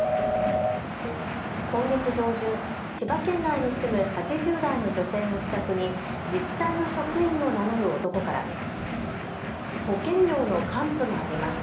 今月上旬、千葉県内に住む８０代の女性の自宅に自治体の職員を名乗る男から保険料の還付があります。